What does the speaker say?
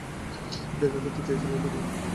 দেখা করতে চেয়েছিলে নাকি?